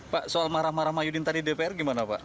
pak soal marah marah mahyudin tadi dpr gimana pak